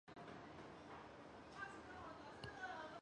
颂遐书室的历史年代为清代。